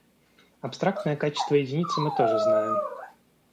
Абстрактное качество единицы мы тоже знаем.